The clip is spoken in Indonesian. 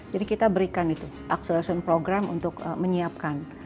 jadi kita berikan itu acceleration program untuk menyiapkan